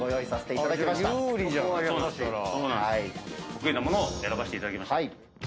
得意なもの選ばせていただきました。